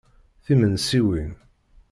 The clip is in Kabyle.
Timensiwin.